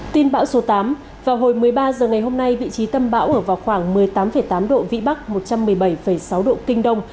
tin bão số tám vào hồi một mươi ba h ngày hôm nay vị trí tâm bão ở vào khoảng một mươi tám tám độ vĩ bắc một trăm một mươi bảy sáu độ kinh đông